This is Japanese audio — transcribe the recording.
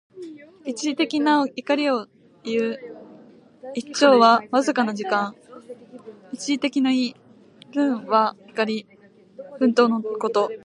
一時的な怒りをいう。「一朝」はわずかな間。一時的の意。「忿」は、怒り、憤怒のこと。